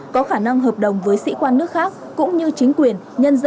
có khả năng hợp đồng với sĩ quan nước khác cũng như chính quyền nhân dân nước sở tại